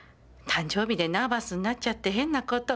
誕生日でナーバスになっちゃって変な事。